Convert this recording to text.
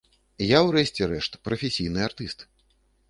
Я, у рэшце рэшт, прафесійны артыст.